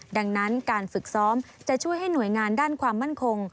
ดังนั้นการฝึกซ้อมจะช่วยให้หน่วยงานด้านความมั่นคง